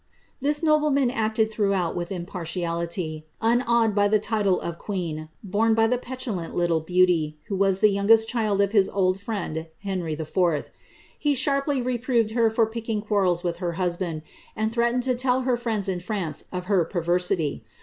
That nobleman acted throughout with impartiality, unawed by the title of queen, borne by the petulant little beauty, who was the youngest child of his old friend, Henry IV. He sharply reproved her for picking quarrels with her husband, and threatened to tell her friends in France (>f her perversity.